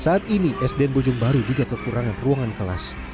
saat ini sdn bojong baru juga kekurangan ruangan kelas